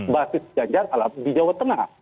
basis ganjar adalah di jawa tengah